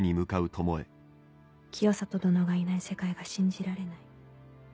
「清里殿がいない世界が信じられない。